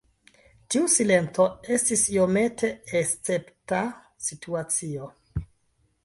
Tiu silento estis iomete escepta situacio.